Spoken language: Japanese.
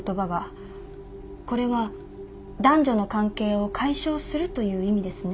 これは男女の関係を解消するという意味ですね？